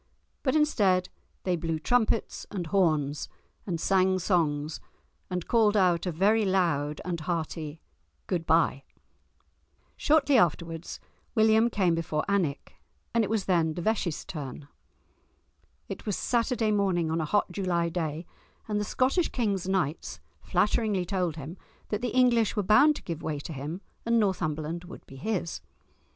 But instead they blew trumpets and horns, and sang songs, and called out a very loud and hearty "Good bye." Shortly afterwards, William came before Alnwick, and it was then De Vesci's turn. It was Saturday morning on a hot July day, and the Scottish king's knights flatteringly told him that the English were bound to give way to him, and Northumberland would be his.